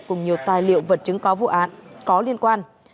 cùng nhiều tài liệu vật chứng có vụ án có liên quan